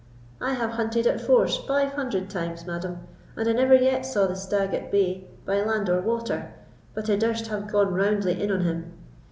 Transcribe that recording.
I have hunted at force five hundred times, madam; and I never yet saw the stag at bay, by land or water, but I durst have gone roundly in on him.